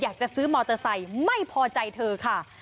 อยากจะซื้อมอเตอร์ไซค์ไม่พอใจเธอค่ะ